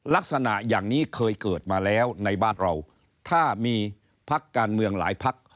ลักษณะอย่างนี้เคยเกิดมาแล้วในบ้านเราถ้ามีพักการเมืองหลายพัก